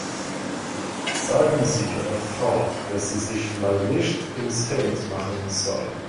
Sagen Sie Ihrer Frau, dass sie sich mal nicht ins Hemd machen soll.